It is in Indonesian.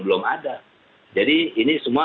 belum ada jadi ini semua